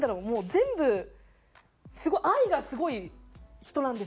全部すごい愛がすごい人なんですよね。